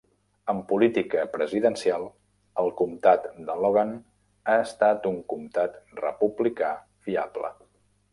En política presidencial, el comtat de Logan ha estat un comtat republicà fiable.